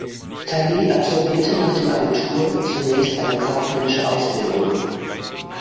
Tully absolvierte nach dem Abitur zunächst eine kaufmännische Ausbildung.